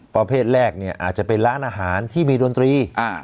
ประเภทแรกเนี่ยอาจจะเป็นร้านอาหารที่มีดนตรี